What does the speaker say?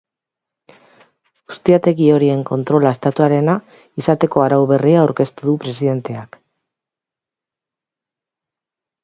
Ustiategi horien kontrola estatuarena izateko arau berria aurkeztu du presidenteak.